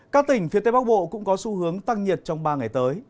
các tỉnh phía tây bắc bộ cũng có xu hướng tăng nhiệt trong ba ngày tới